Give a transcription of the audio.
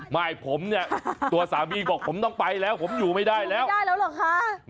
ไม่ผมเนี่ยตัวสามีบอกผมต้องไปแล้วผมอยู่ไม่ได้แล้วได้แล้วเหรอคะ